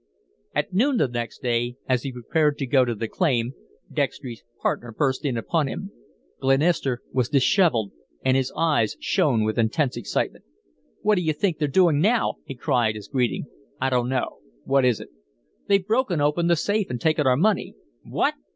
At noon the next day, as he prepared to go to the claim, Dextry's partner burst in upon him. Glenister was dishevelled, and his eyes shone with intense excitement. "What d'you think they've done now?" he cried, as greeting. "I dunno. What is it?" "They've broken open the safe and taken our money." "What!"